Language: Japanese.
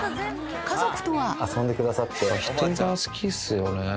家族とは人が好きっすよね。